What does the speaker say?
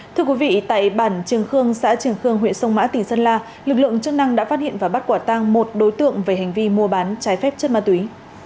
thưa quý vị tại bản trường khương xã trường khương huyện sông mã tỉnh sơn la lực lượng chức năng đã phát hiện và bắt quả tang một đối tượng về hành vi mua bán trái phép chất ma túy